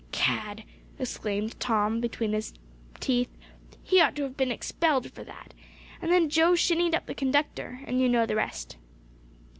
"Cad!" exclaimed Tom, between his teeth. "He ought to have been expelled for that. And then Joe shinned up the conductor and you know the rest."